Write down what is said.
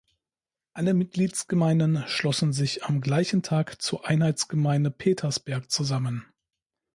Alle Mitgliedsgemeinden schlossen sich am gleichen Tag zur Einheitsgemeinde Petersberg zusammen.